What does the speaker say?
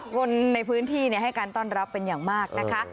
คนในพื้นที่ให้การต้อนรับเป็นอย่างมากนะคะ